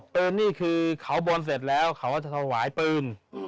นี่คือเขาบนเสร็จแล้วเขาก็จะถวายปืน